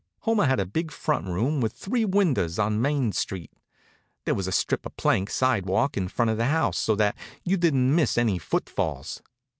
Homer had a big front room with three windows on Main Street. There was a strip of plank sidewalk in front of the house, so that you didn't miss any footfalls.